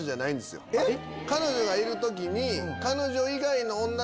彼女がいる時に。